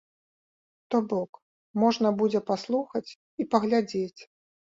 То бок, можна будзе паслухаць і паглядзець.